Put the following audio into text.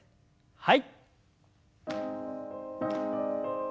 はい。